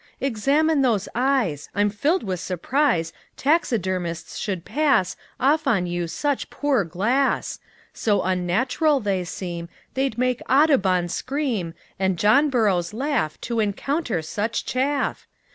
"Examine those eyes. I'm filled with surprise Taxidermists should pass Off on you such poor glass; So unnatural they seem They'd make Audubon scream, And John Burroughs laugh To encounter such chaff.